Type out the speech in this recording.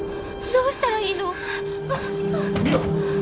どうしたらいいの？